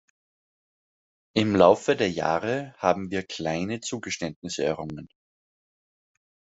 Im Laufe der Jahre haben wir kleine Zugeständnisse errungen.